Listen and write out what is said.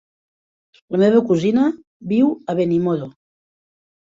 La meva cosina viu a Benimodo.